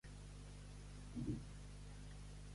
Què va passar amb la sang que va desprendre?